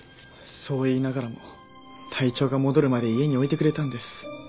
そう言いながらも体調が戻るまで家に置いてくれたんです。